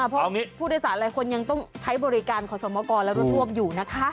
เพราะผู้โดยสารหลายคนยังต้องใช้บริการขอสมกรและรถพ่วงอยู่นะคะ